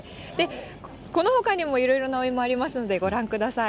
このほかにも、いろいろなお芋ありますので、ご覧ください。